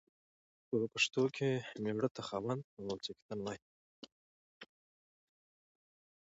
په پښتو کې مېړه ته خاوند او څښتن وايي.